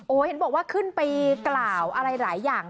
เห็นบอกว่าขึ้นไปกล่าวอะไรหลายอย่าง